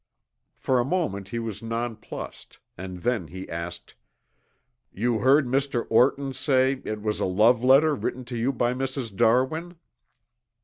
For a moment he was nonplussed, and then he asked: "You heard Mr. Orton say it was a love letter written to you by Mrs. Darwin?"